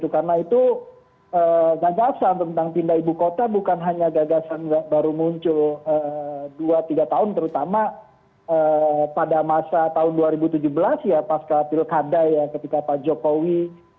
karena itu gagasan tentang pindah ibu kota bukan hanya gagasan baru muncul dua tiga tahun terutama pada masa tahun dua ribu tujuh belas ya pasca pilkada ya ketika pak jokowi